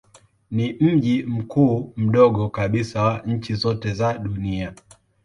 Ni mji mkuu mdogo kabisa wa nchi zote za dunia.